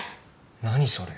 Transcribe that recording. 何それ。